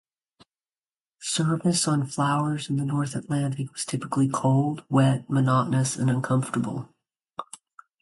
Service on Flowers in the North Atlantic was typically cold, wet, monotonous and uncomfortable.